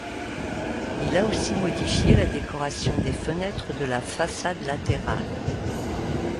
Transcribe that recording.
Il a aussi modifié la décoration des fenêtres de la façade latérale.